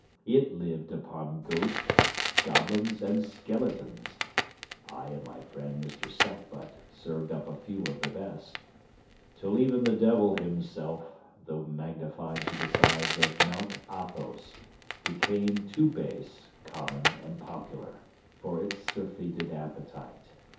It lived upon ghosts, goblins, and skeletons (I and my friend Mr Sackbut served up a few of the best), till even the devil himself, though magnified to the size of Mount Athos, became too base, common, and popular, for its surfeited appetite.